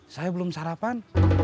saya belum sarapan